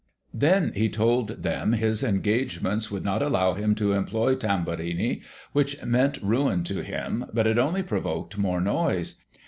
Then he told them his engagements would not allow him to employ Tamburini, which meant ruin to him, but it only provoked more noise.